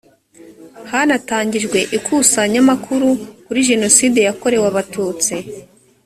hanatangijwe ikusanyamakuru kuri jenocide yakorewe abatutsi